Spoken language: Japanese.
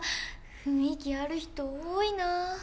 雰囲気ある人多いなあ。